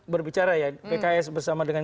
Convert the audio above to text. berbicara ya pks bersama dengan